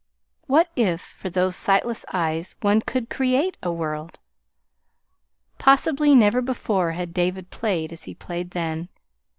What if, for those sightless eyes, one could create a world? Possibly never before had David played as he played then.